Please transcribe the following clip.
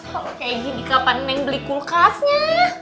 kalau kaya gini kapan neng beli kulkasnya